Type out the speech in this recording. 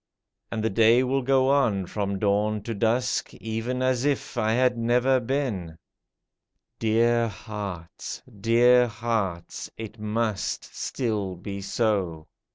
And the day will go on from dawn to dusk. Even as if I had never been ! 200 AT DAWN Dear hearts ! dear hearts ! It must still be so